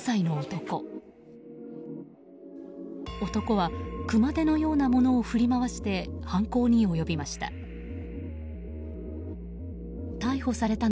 男は熊手のようなものを振り回して犯行に及びました。